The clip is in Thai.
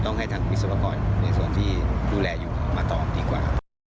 ให้ทางวิศวกรในส่วนที่ดูแลอยู่มาตอบดีกว่า